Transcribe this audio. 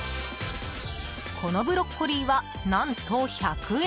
このブロッコリーは何と、１００円。